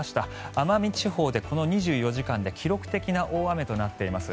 奄美地方でこの２４時間で記録的な大雨となっています。